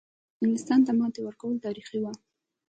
انګلیستان ته ماتې ورکول تاریخي وه.